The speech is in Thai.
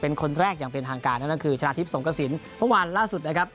เป็นคนแรกอย่างเป็นทางการนั่นก็คือชนะทิพย์สงกระสินเมื่อวานล่าสุดนะครับ